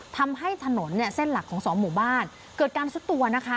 ทำให้ถนนเนี่ยเส้นหลักของสองหมู่บ้านเกิดการซุดตัวนะคะ